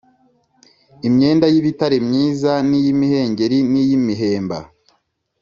imyenda y’ibitare myiza n’iy’imihengeri n’iy’imihemba,